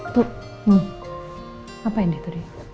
bu apa yang dia katakan tadi